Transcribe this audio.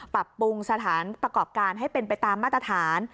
ปรับปรุงสถานประกอบการให้เป็นไปตามมาตรฐาน